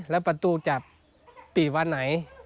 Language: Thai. แลกับประตูจะปีดวันไหน